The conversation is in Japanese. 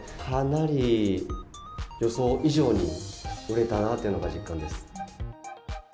かなり予想以上に、売れたなというのが実感です。